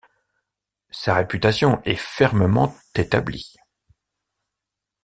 Sa réputation est fermement établie.